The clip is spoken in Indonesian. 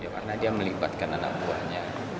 karena dia melibatkan anak buahnya